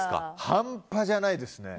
半端じゃないですね。